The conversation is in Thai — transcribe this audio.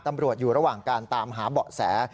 ตำรวจอยู่ระหว่างการตามหาเบาะแส